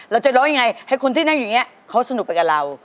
เราจะร้องยังไงให้คนที่นั่งอยู่อย่างนี้เขาสนุกไปกับเรา